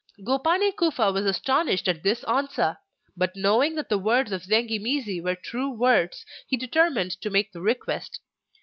Gopani Kufa was astonished at this answer; but knowing that the words of Zengi mizi were true words, he determined to make the request.